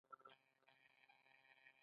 آیا د سولر بیترۍ بدلول غواړي؟